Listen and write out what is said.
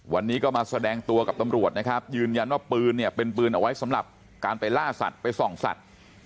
วันนี้ก็มาแสดงตัวกับตำรวจนะครับยืนยันว่าปืนเนี่ยเป็นปืนเอาไว้สำหรับการไปล่าสัตว์ไปส่องสัตว์